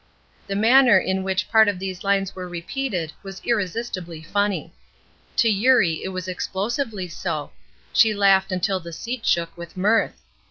The manner in which part of these lines were repeated was irresistibly funny. To Eurie it was explosively so; she laughed until the seat shook with mirth.